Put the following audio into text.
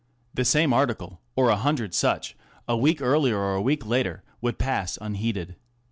The same article, or a hundred such, a week earlier or a week later, would pass unheeded.